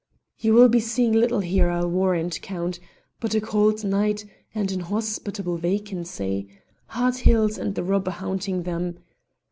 "You'll be seeing little there, I'll warrant, Count, but a cold night and inhospitable vacancy, hard hills and the robber haunting them.